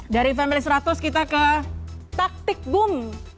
dari family seratus kita ke taktik boom